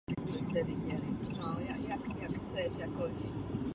Věřím, že navrhované změny budou pro dotyčné nejvzdálenější regiony pozitivní.